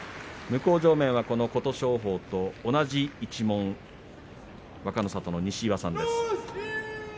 向正面、琴勝峰と同じ一門若の里の西岩さんです。